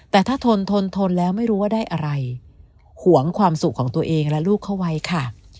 แต่ถ้าทนทนทนแล้วไม่รู้ว่าได้อะไรห่วงความสุขของตัวเองและลูกเข้าไว้ค่ะ